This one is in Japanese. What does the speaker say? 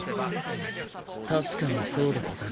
確かにそうでござるが。